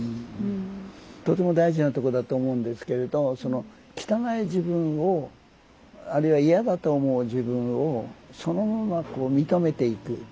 とても大事なとこだと思うんですけれどその汚い自分をあるいは嫌だと思う自分をそのまま認めていく。